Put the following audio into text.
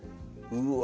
うわ